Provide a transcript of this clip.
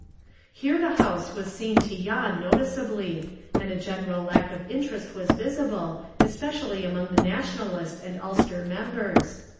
Here the House was seen to yawn noticeably, and a general lack of interest was visible, especially among the Nationalist and Ulster members.